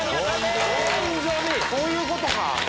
そういうことか！